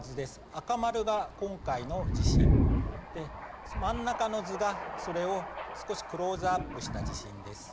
赤丸が今回の地震、真ん中の図がそれを少しクローズアップした地震です。